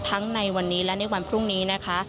ในวันนี้และในวันพรุ่งนี้นะคะ